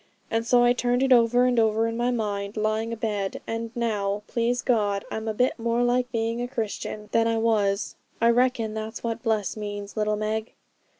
And so I turned it over and over in my mind, lying abed; and now, please God, I'm a bit more like being a Christian than I was. I reckon that's what bless means, little Meg.'